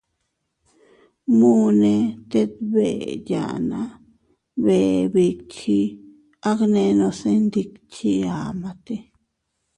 Muʼune tet bee yanna, bee bikchi, agnenose ndikchi amate.